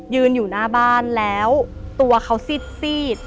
ยืนอยู่หน้าบ้านแล้วตัวเขาซีด